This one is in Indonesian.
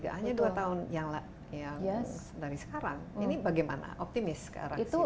hanya dua tahun yang dari sekarang ini bagaimana optimis ke arah situ